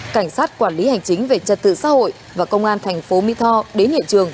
cảnh sát quản lý hành chính về trật tự xã hội và công an thành phố mỹ tho đến hiện trường